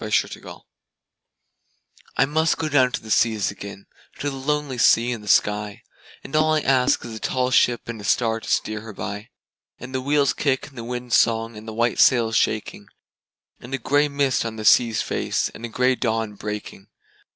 Y Z Sea Fever I MUST down to the seas again, to the lonely sea and the sky, And all I ask is a tall ship and a star to steer her by, And the wheel's kick and the wind's song and the white sail's shaking, And a gray mist on the sea's face, and a gray dawn breaking.